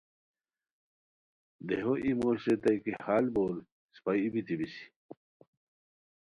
دیہو ای موش ریتائے کی ہال بور اِسپہ ای بیتی بیسی